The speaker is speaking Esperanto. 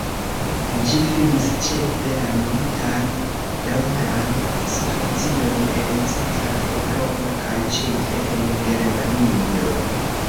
Ĝi finis ĉefe la militan daŭran situacion en Centra Eŭropo kaj ĉefe en Germanio.